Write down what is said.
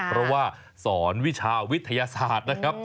เพราะว่าสอนวิชาวิทยาศาสตร์นะครับ